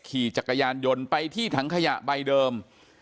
ขี่จักรยานยนต์ไปที่ถังขยะใบเดิม